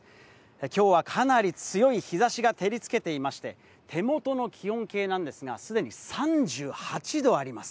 今日はかなり強い日差しが照りつけていまして、手元の気温計なんですが、すでに３８度あります。